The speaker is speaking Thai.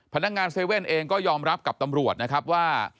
พนักงาน๗๑๑เองก็ยอมรับกับตำรวจนะครับว่า